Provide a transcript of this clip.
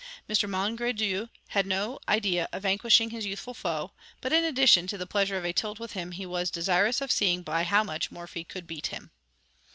Mr. Mongredieu had no idea of vanquishing his youthful foe, but in addition to the pleasure of a tilt with him, he was desirous of seeing by how much Morphy could beat him.